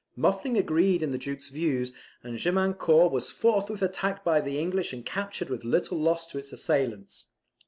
Muffling agreed in the Duke's views and Gemiancourt was forthwith attacked by the English and captured with little loss to its assailants.